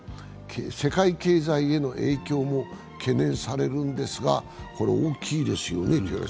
世界経済への影響も懸念されるんですが、これ、大きいですよね。